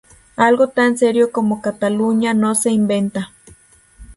Algo tan serio como Cataluña no se inventa.